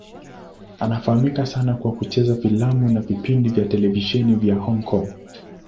Anafahamika sana kwa kucheza filamu na vipindi vya televisheni vya Hong Kong.